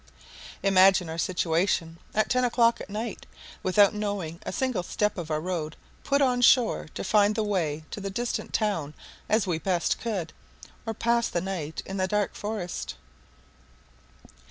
Imagine our situation, at ten o'clock at night, without knowing a single step of our road, put on shore to find the way to the distant town as we best could, or pass the night in the dark forest.